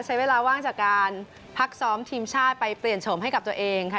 ใช้เวลาว่างจากการพักซ้อมทีมชาติไปเปลี่ยนโฉมให้กับตัวเองค่ะ